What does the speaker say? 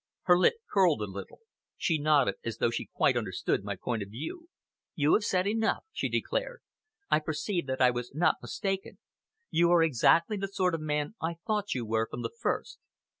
Her lip curled a little. She nodded as though she quite understood my point of view. "You have said enough," she declared; "I perceive that I was not mistaken! You are exactly the sort of man I thought you were from the first.